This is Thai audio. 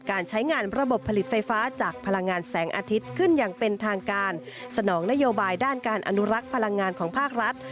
การไฟฟ้านักคอหลวงในฐานะที่เป็นองค์กรด้านพลังงานนะครับ